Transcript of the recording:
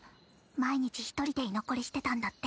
毎日一人で居残りしてたんだって。